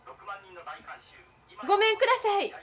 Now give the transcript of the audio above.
ごめんください！